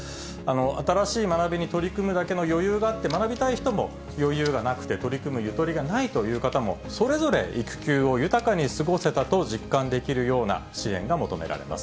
新しい学びに取り組むだけの余裕があって、学びたい人も余裕がなくて、取り組むゆとりがないという方も、それぞれ育休を豊かに過ごせたと実感できるような支援が求められます。